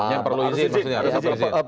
yang perlu izin maksudnya